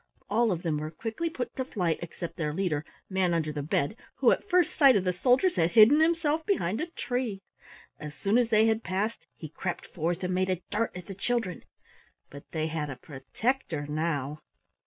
All of them were quickly put to flight except their leader, Manunderthebed, who at first sight of the soldiers had hidden himself behind a tree. As soon as they had passed he crept forth and made a dart at the children. But they had a protector now!